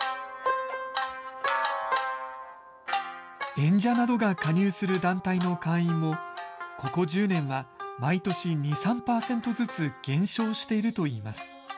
演者などが加入する団体の会員も、ここ１０年は、毎年２、３％ずつ減少しているといいます。